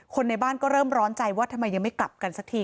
ในบ้านก็เริ่มร้อนใจว่าทำไมยังไม่กลับกันสักที